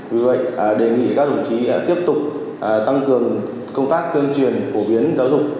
vì vậy đề nghị các đồng chí tiếp tục tăng cường công tác tuyên truyền phổ biến giáo dục